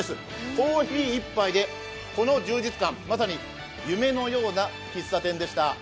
コーヒー１杯でこの充実感まさに夢のような喫茶店でした。